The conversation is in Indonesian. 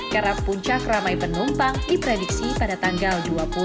karena puncak ramai penumpang diprediksi pada tanggal dua puluh